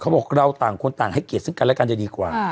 บอกเราต่างคนต่างให้เกียรติซึ่งกันและกันจะดีกว่า